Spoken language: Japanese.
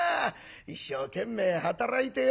一生懸命働いてよ